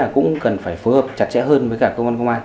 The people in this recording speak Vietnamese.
cũng cần phải phối hợp chặt chẽ hơn với cả cơ quan công an